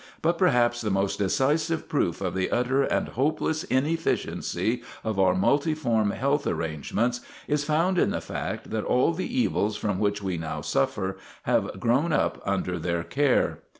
But perhaps the most decisive proof of the utter and hopeless inefficiency of our multiform health arrangements is found in the fact that all the evils from which we now suffer have grown up under their care.